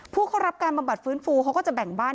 ผู้เข้ารับการบำบัดฟื้นฟูเขาก็จะแบ่งบ้าน